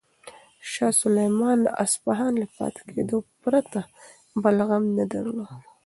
شاه سلیمان د اصفهان له پاتې کېدو پرته بل غم نه درلود.